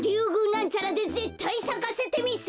なんちゃらでぜったいさかせてみせる！